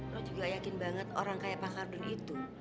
lo juga yakin banget orang kayak pak kardu itu